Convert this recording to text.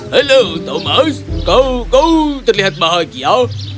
halo thomas kau kau terlihat bahagia